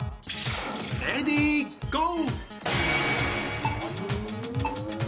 レディーゴー！